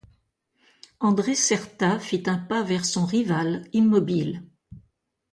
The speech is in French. André Certa fit un pas vers son rival, immobile.